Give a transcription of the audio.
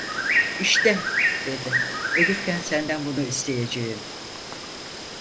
"İşte" dedi, "ölürken senden bunu isteyeceğim."